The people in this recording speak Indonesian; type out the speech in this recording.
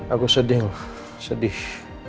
aku sedih loh sedih